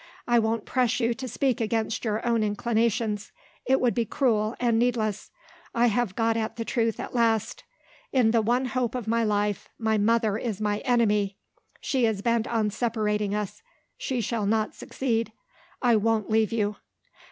I won't press you to speak against your own inclinations. It would be cruel and needless I have got at the truth at last. In the one hope of my life, my mother is my enemy. She is bent on separating us; she shall not succeed. I won't leave you."